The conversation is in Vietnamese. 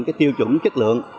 đủ đủ chất lượng